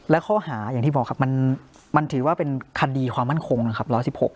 และข้อหาอย่างที่บอกครับมันถือว่าเป็นคดีความมั่นคงนะครับ๑๑๖